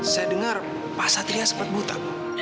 saya dengar pak satria sempat buta